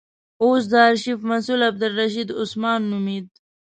اوس د آرشیف مسئول عبدالرشید عثمان نومېد.